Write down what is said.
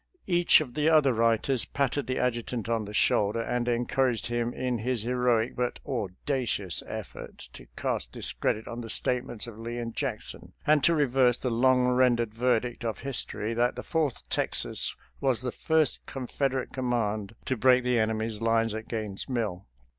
Each of the other writers patted the Adjutant on the shoulder and encouraged him in his heroic but audacious effort to cast discredit on the statements of Lee and Jackson and to reverse the long rendered verdict of his tory, that the Fourth Texas was the first Con federate command to break the enemy's lines at Gaines' Mill.